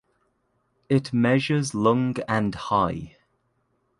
It measures long and high.